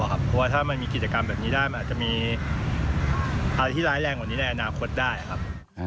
เพราะว่าถ้ามันมีกิจกรรมแบบนี้ได้มันอาจจะมีอะไรที่ร้ายแรงกว่านี้ในอนาคตได้ครับ